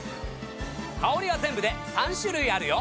香りは全部で３種類あるよ！